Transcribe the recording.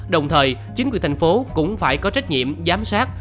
đồng thời chính quyền thành phố cũng phải có trách nhiệm giám sát